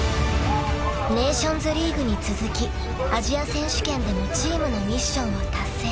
［ネーションズリーグに続きアジア選手権でもチームのミッションを達成］